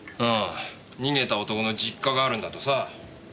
逃げた男の実家があるんだとさ。